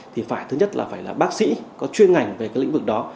thì phải thứ nhất là phải là bác sĩ có chuyên ngành về cái lĩnh vực đó